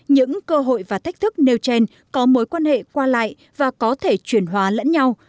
những cơ hội và thách thức nêu trên có mối quan hệ qua lại và có thể chuyển hóa lẫn nhau